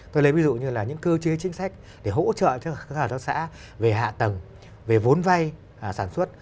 tôi lấy ví dụ như là những cơ chế chính sách để hỗ trợ cho các hợp tác xã về hạ tầng về vốn vay sản xuất